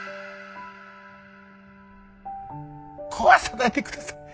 壊さないでください。